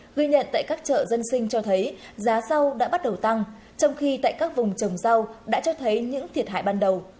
ghi nhận tại các chợ dân sinh cho thấy giá rau đã bắt đầu tăng trong khi tại các vùng trồng rau đã cho thấy những thiệt hại ban đầu